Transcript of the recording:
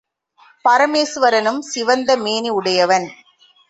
பரமேசுவரனும் சிவந்த மேனி உடையவன்.